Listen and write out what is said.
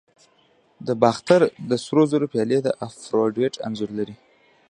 د باختر د سرو زرو پیالې د افروډایټ انځور لري